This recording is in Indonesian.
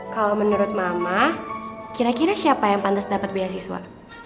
kalau menurut mama kira kira siapa yang pantas dapat beasiswa